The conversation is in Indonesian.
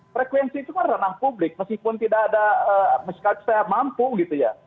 frekuensi itu kan ranah publik meskipun tidak ada saya mampu gitu ya